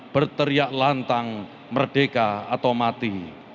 berteriak lantang merdeka atau mati